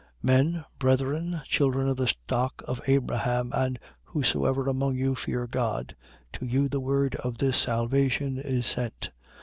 13:26. Men, brethren, children of the stock of Abraham, and whosoever among you fear God: to you the word of this salvation is sent.